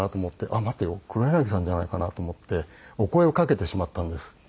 あっ待てよ黒柳さんじゃないかなと思ってお声をかけてしまったんです。